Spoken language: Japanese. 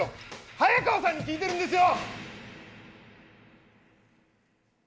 早川さんに聞いてるんですよ！